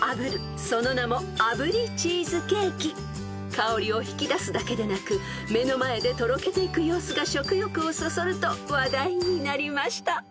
［香りを引き出すだけでなく目の前でとろけていく様子が食欲をそそると話題になりました］